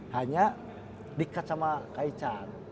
hanya dikat sama kak ica